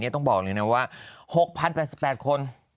ต้องบอกเลยนะว่า๖๐๘๘คน